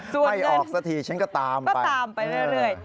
ไม่ออกสักทีฉันก็ตามไปตามไปเรื่อย